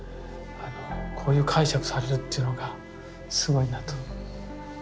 こういう解釈されるっていうのがすごいなと思いますよね。